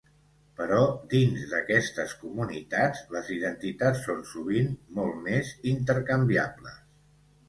Però dins d'aquestes comunitats, les identitats són sovint molt més intercanviables.